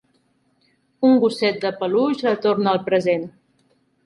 Un gosset de peluix la torna al present.